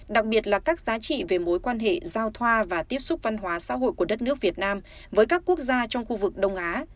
đặc biệt là các giá trị về mối quan hệ giao thoa và tiếp xúc văn hóa xã hội của đất nước việt nam với các quốc gia trong khu vực đông á